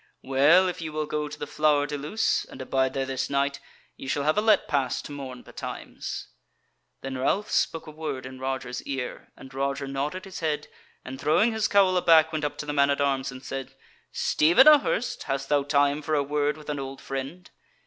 Well if ye will go to the Flower de Luce and abide there this night, ye shall have a let pass to morn betimes." Then Ralph spake a word in Roger's ear, and Roger nodded his head, and, throwing his cowl aback, went up to the man at arms and said: "Stephen a Hurst, hast thou time for a word with an old friend?"